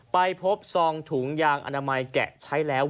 ไปพบซองถุงยางอนามัยแกะใช้แล้ว